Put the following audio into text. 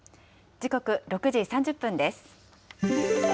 時刻、６時３０分です。